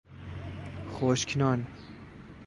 خشک نان